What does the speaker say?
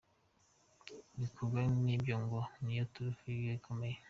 Ibikorwa nibyo ngo niyo turufu ye ikomeye.